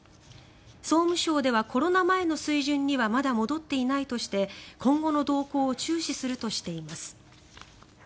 総務省ではコロナ前の水準にはまだ戻っていないとして今後の動向を注視するとしています。